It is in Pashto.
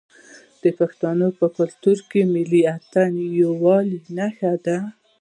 د پښتنو په کلتور کې ملي اتن د یووالي نښه ده.